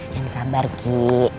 yang sabar ki